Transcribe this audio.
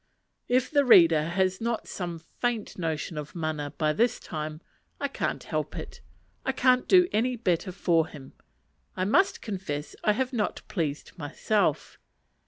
If the reader has not some faint notion of mana by this time, I can't help it: I can't do any better for him. I must confess I have not pleased myself.